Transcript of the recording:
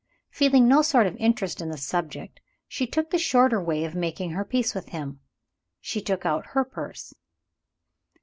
Feeling no sort of interest in the subject, she took the shorter way of making her peace with him. She took out her purse.